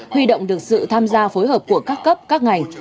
huy động được sự tham gia phối hợp của các cấp các ngành